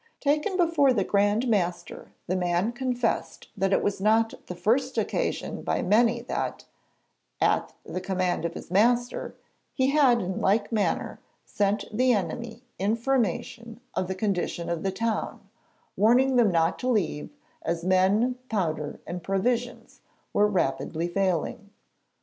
Taken before the Grand Master the man confessed that it was not the first occasion by many that, at the command of his master, he had in like manner sent the enemy information of the condition of the town, warning them not to leave, as men, powder, and provisions were rapidly failing.